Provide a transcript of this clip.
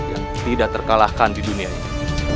yang tidak terkalahkan di dunia ini